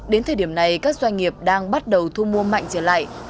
đến thời điểm này các doanh nghiệp đang bắt đầu thu mua mạnh trở lại